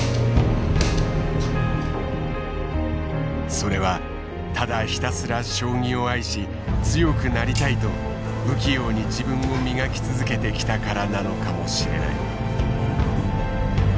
それはただひたすら将棋を愛し強くなりたいと不器用に自分を磨き続けてきたからなのかもしれない。